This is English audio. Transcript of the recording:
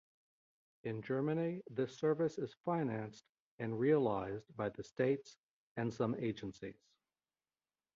In Germany this service is financed and realized by the states and some agencies.